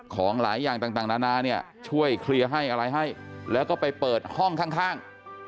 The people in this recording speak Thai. ของหลายอย่างต่างนานาเนี่ยช่วยเคลียร์ให้อะไรให้แล้วก็ไปเปิดห้องข้าง